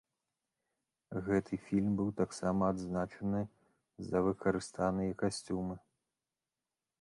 Гэты фільм быў таксама адзначаны за выкарыстаныя касцюмы.